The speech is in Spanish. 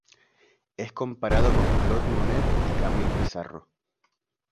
Es comparado con Claude Monet y Camille Pissarro.